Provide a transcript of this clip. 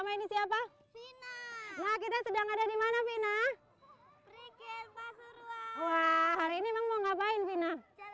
main siapa kita sedang ada dimana vina wah hari ini mau ngapain vina